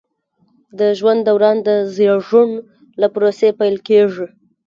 د ژوند دوران د زیږون له پروسې پیل کیږي.